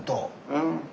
うん。